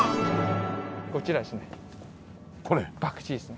こちらですね。